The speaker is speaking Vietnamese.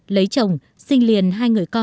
lấy chồng sinh liền hai người con